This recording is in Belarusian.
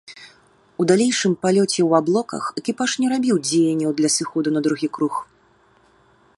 У далейшым палёце ў аблоках экіпаж не рабіў дзеянняў для сыходу на другі круг.